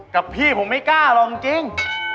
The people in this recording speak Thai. กับพี่ผมไม่กล้าหรอกจริง